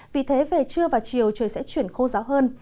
vì thế về trưa và chiều trời sẽ chuyển khô ráo hơn